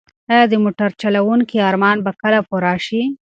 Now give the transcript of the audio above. ایا د موټر چلونکي ارمان به کله پوره شي؟